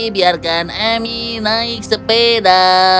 biarkan emi naik sepeda